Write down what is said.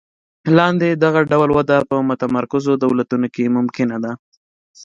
لاندې دغه ډول وده په متمرکزو دولتونو کې ممکنه ده.